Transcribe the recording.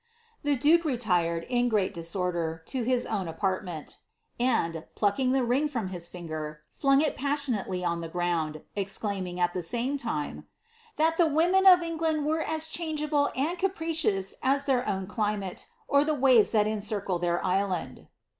The duke retired, in great disorder, to his own apartment, and, pluck ing the ring from tiis finger, flung it passionately on the ground, ex claimuig, at the same time, ^^ that the women of England were as change able and capricious as their own climate, or the waves that encircled their island."